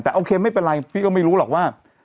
แต่โอเคไม่เป็นไรพี่ก็ไม่รู้หรอกว่า